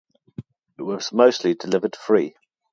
It was mostly delivered free.